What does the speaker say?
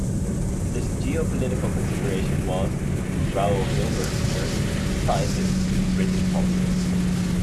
This geopolitical consideration was, in Raul Hilberg's word, "decisive" to British policies.